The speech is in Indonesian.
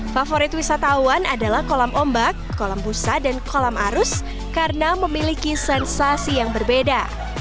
favorit wisatawan adalah kolam ombak kolam busa dan kolam arus karena memiliki sensasi yang berbeda